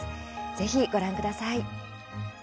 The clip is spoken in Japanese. ぜひ、ご覧ください。